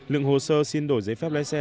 lượng hồ sơ xin đổi giấy phép lái xe